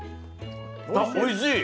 あっおいしい！